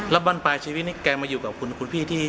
แล้วบ้านปลายชีวิตนี่แกมาอยู่กับคุณพี่ที่